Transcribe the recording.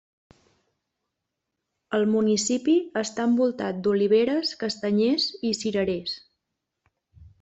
El municipi està envoltat d'oliveres, castanyers i cirerers.